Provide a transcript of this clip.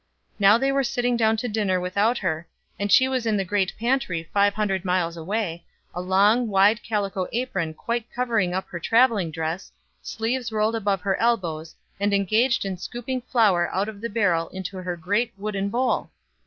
Now they were sitting down to dinner without her, and she was in the great pantry five hundred miles away, a long, wide calico apron quite covering up her traveling dress, sleeves rolled above her elbows, and engaged in scooping flour out of the barrel into her great wooden bowl!